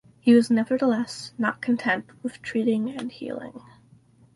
He was nevertheless not content with treating and healing.